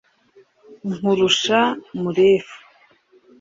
nkurusha murefu,